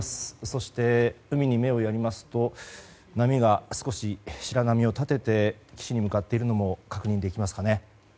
そして、海に目をやりますと波が少し白波を立てて岸に向かっているのも確認できますかね。